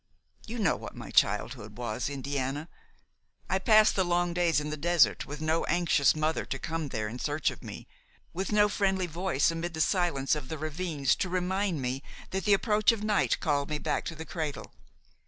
You know what my childhood was, Indiana. I passed the long days in the desert, with no anxious mother to come there in search of me, with no friendly voice amid the silence of the ravines to remind me that the approach of night called me back to the cradle.